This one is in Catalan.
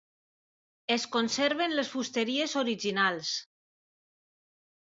Es conserven les fusteries originals.